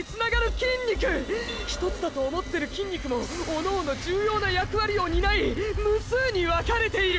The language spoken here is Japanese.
ひとつだと思ってる筋肉もおのおの重要な役割を担い無数に分かれている！